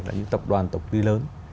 là những tập đoàn tổ chức lớn